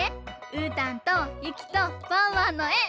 うーたんとゆきとワンワンのえ。